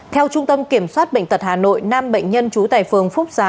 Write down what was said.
theo trung tâm kiểm soát bệnh tật hà nội năm bệnh nhân trú tại phường phúc giá